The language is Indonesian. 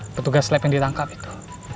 petugas lab yang ditangkap itu